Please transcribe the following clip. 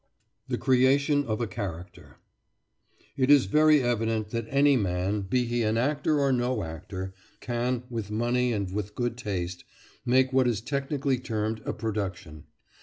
THE CREATION OF A CHARACTER It is very evident that any man, be he an actor or no actor, can, with money and with good taste, make what is technically termed a production.